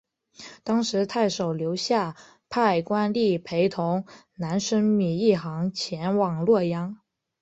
当时太守刘夏派官吏陪同难升米一行前往洛阳。